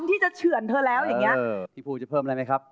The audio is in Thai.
ที่จะเฉินเธอแล้วอย่างเงี้ยสีฟูจะเพิ่มอะไรมั้ยครับ